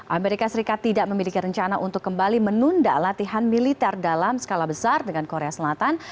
amerika serikat tidak memiliki rencana untuk kembali menunda latihan militer dalam skala besar dengan korea selatan